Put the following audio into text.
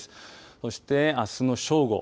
そして、あすの正午。